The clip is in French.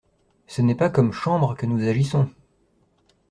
Ce n'est pas comme Chambre que nous agissons!